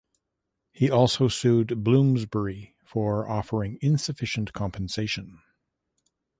He also sued Bloomsbury for offering insufficient compensation.